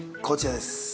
こちらです。